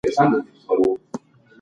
که پنېر ککړ وي، زړه مو بد کېږي.